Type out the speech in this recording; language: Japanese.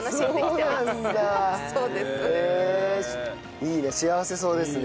いいね幸せそうですね。